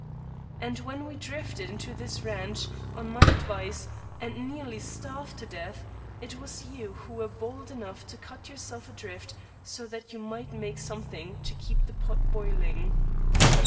And when we drifted into this ranch, on my advice, and nearly starved to death, it was you who were bold enough to cut yourself adrift so that you might make something to keep the pot boiling.